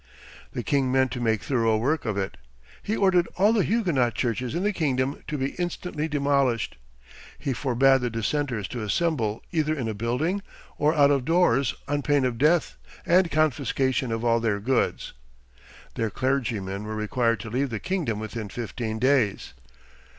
The king meant to make thorough work of it. He ordered all the Huguenot churches in the kingdom to be instantly demolished. He forbade the dissenters to assemble either in a building or out of doors, on pain of death and confiscation of all their goods. Their clergymen were required to leave the kingdom within fifteen days.